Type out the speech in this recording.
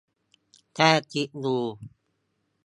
แค่คิดดู !